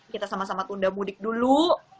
kita sama sama tunda mudik dulu